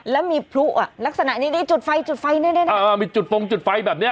แล้วมีพลุอ่ะลักษณะนี้ดีจุดไฟจุดไฟด้วยนะอ่ามีจุดฟงจุดไฟแบบเนี้ย